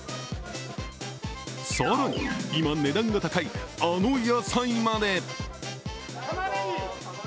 更に、今値段が高いあの野菜まで。